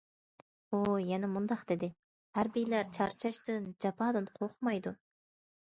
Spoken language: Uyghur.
ئۇ يەنە مۇنداق دېدى: ھەربىيلەر چارچاشتىن، جاپادىن قورقمايدۇ.